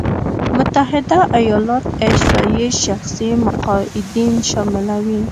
متحده ایالات احصایې شخصي مقاعدين شاملوي.